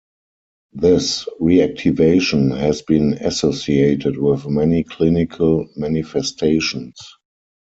This reactivation has been associated with many clinical manifestations.